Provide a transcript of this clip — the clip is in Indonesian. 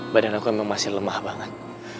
badan aku memang masih lemah banget